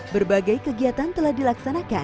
berbagai kegiatan telah dilaksanakan